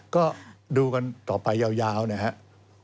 ก็ดูกันต่อไปยาวนะครับ